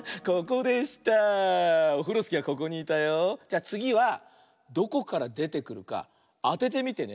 じゃあつぎはどこからでてくるかあててみてね。